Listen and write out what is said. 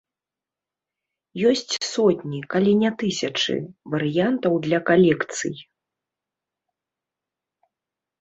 Ёсць сотні, калі не тысячы, варыянтаў для калекцый.